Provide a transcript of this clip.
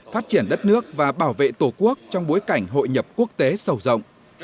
phát triển đất nước và bảo vệ tổ quốc trong bối cảnh hội nhập quốc tế sâu rộng